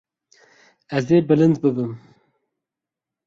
Ez ê bilind bibim.